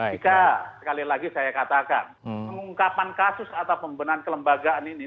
jika sekali lagi saya katakan pengungkapan kasus atau pembenahan kelembagaan ini